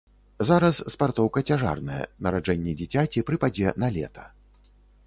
Зараз спартоўка цяжарная, нараджэнне дзіцяці прыпадзе на лета.